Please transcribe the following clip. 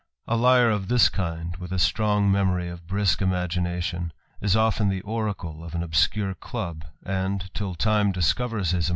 A liar of thi kind, with a strong memory or brisk imagination, is ofl< the oracle of an obscure club, and, till time discovers J THB ADVENTURER.